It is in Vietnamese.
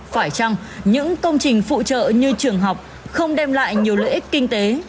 phải chăng những công trình phụ trợ như trường học không đem lại nhiều lợi ích kinh tế